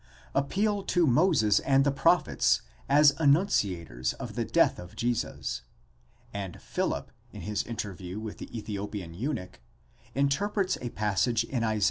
3) appeal to Moses and the prophets as annunciators of the death of Jesus, and Philip, in his interview with the Ethiopian eunuch, interprets a passage in Isa.